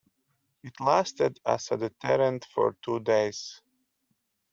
It lasted as a deterrent for two days.